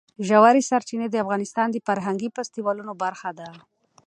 ژورې سرچینې د افغانستان د فرهنګي فستیوالونو برخه ده.